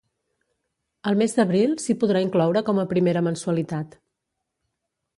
El mes d’abril s’hi podrà incloure com a primera mensualitat.